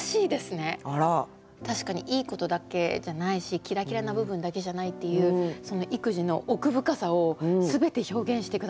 確かにいいことだけじゃないしキラキラな部分だけじゃないっていう育児の奥深さを全て表現して下さってるなと思って。